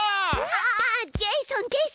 ああっジェイソンジェイソン！